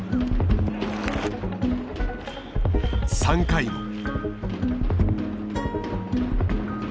３回も。